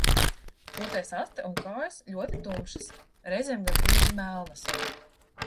Toties aste un kājas ļoti tumšas, reizēm gandrīz melnas.